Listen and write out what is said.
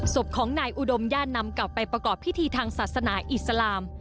ศพของนายอุดมญาตินำกลับไปประกอบพิธีทางศาสนาอิสลาม